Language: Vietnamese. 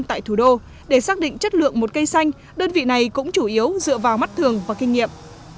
tại thủ đô để xác định chất lượng một cây xanh đơn vị này cũng chủ yếu dựa vào mắt thường và kinh nghiệm